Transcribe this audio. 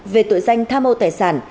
về tội danh tha mâu tài sản